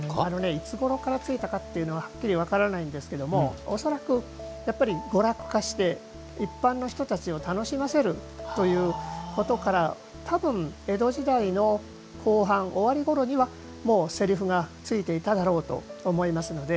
いつごろからついたかというのははっきり分からないんですけれども恐らくやっぱり娯楽化して一般の人たちを楽しませるということから多分江戸時代の後半終わりごろにはもうせりふがついていただろうと思いますので。